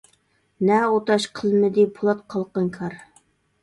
نە ئۇ تاش قىلمىدى پولات قالقان كار.